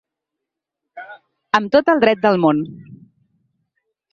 Amb tot el dret del món.